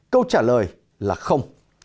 câu trả lời là không